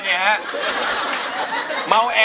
นี่ไง